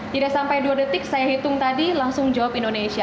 tidak sampai dua detik saya hitung tadi langsung jawab indonesia